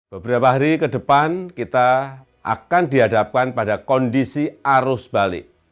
beberapa hari ke depan kita akan dihadapkan pada kondisi arus balik